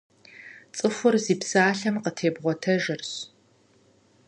ЦӀыхур зи псалъэм къытебгъуэтэжырщ.